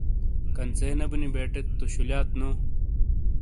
کنژے نے بونی بیٹت تو شولایات نو